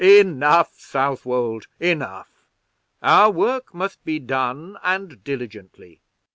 "Enough, Southwold, enough; our work must be done, and diligently.